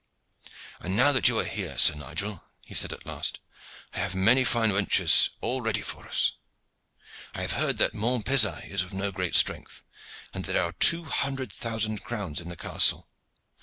"And now that you are here, Sir Nigel," he said at last, "I have many fine ventures all ready for us. I have heard that Montpezat is of no great strength, and that there are two hundred thousand crowns in the castle.